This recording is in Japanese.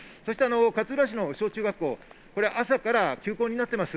勝浦市の小中学校、朝から休校になっています。